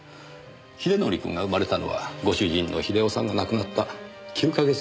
英則くんが生まれたのはご主人の英雄さんが亡くなった９か月後だったんですね。